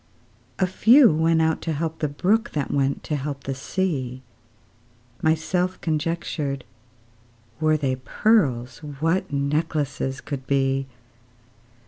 A few went out to help the brook, That went to help the sea. Myself conjectured, Were they pearls, What necklaces could be!